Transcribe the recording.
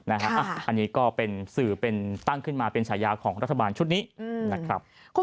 อันนี้ก็เป็นสื่อเป็นตั้งขึ้นมาเป็นฉายาของรัฐบาลชุดนี้นะครับ